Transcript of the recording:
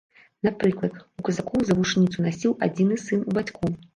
Напрыклад, у казакоў завушніцу насіў адзіны сын у бацькоў.